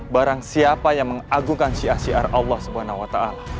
barang siapa yang mengagungkan syiasiar allah swt